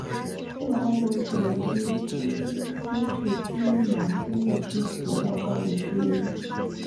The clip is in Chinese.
这条道路是连接青衣西至青衣南工业区主要道路之一。